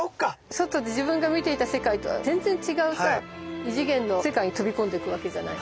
外で自分が見ていた世界とは全然違うさ異次元の世界に飛び込んでいくわけじゃない？